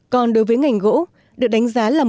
còn đối với ngành gỗ được đánh giá là một trăm linh